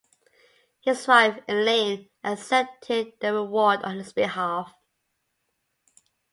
His wife Elaine accepted the award on his behalf.